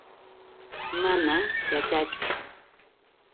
Manam yaćhaachu.